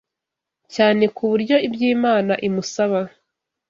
cyane ku buryo iby’Imana imusaba